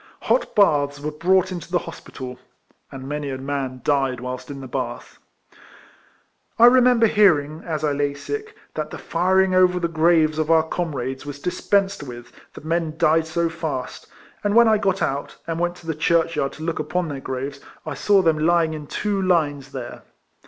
Hot baths were brought into the hospital — and many a man died whilst in the bath. I remember hearing, as I lay sick, that the firing over the graves of our comrades was dispensed with, the men died so fast; and when I got out, and went to the churchyard to look upon their graves I saw them lying in two lines there.